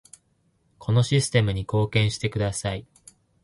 このシステムに貢献してください